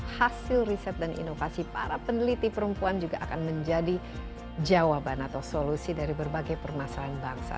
hasil riset dan inovasi para peneliti perempuan juga akan menjadi jawaban atau solusi dari berbagai permasalahan bangsa